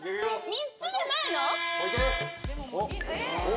３つじゃないの⁉小池！